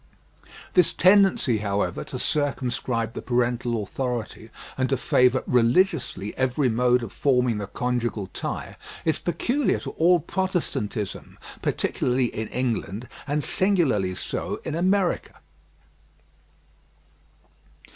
This tendency, however, to circumscribe the parental authority and to favour religiously every mode of forming the conjugal tie, is peculiar to all Protestantism, particularly in England, and singularly so in America.